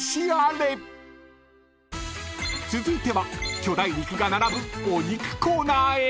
［続いては巨大肉が並ぶお肉コーナーへ］